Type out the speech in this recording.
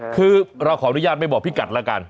คือเราขออนุญาตไม่บอกพี่กัดแล้วกัน